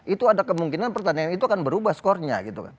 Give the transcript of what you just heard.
itu ada kemungkinan pertandingan itu kan berubah skornya gitu kan